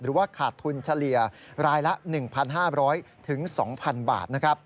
ว่าขาดทุนเฉลี่ยรายละ๑๕๐๐๒๐๐๐บาท